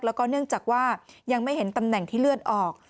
แล้วก็เนื่องจากว่ายังไม่เห็นตำแหน่งที่เลื่อนออก